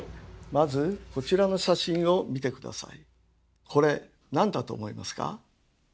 まずこちらの写真を見て下さい。